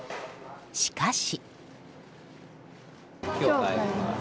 しかし。